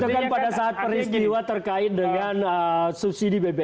itu kan pada saat peristiwa terkait dengan subsidi bbm